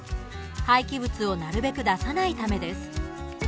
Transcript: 廃棄物をなるべく出さないためです。